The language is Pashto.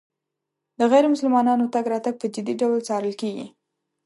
د غیر مسلمانانو تګ راتګ په جدي ډول څارل کېږي.